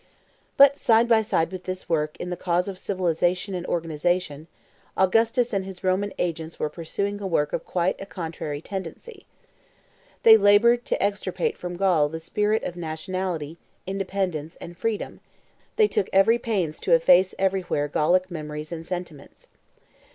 But side by side with this work in the cause of civilization and organization, Augustus and his Roman agents were pursuing a work of quite a contrary tendency. They labored to extirpate from Gaul the spirit of nationality, independence, and freedom; they took every pains to efface everywhere Gallic memories and sentiments.